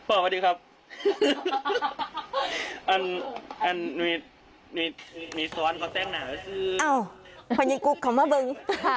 อ้าวพญกุกของมะบึง